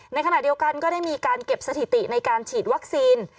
ในขณะเดียวกันก็ได้มีการเก็บสถิติในการฉีดวัคซีน